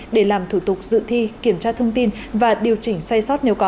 để làm thủ tục dự thi kiểm tra thông tin và điều chỉnh sai sót nếu có